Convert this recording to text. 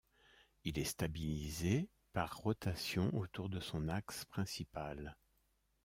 Il est stabilisé par rotation autour de son axe principal.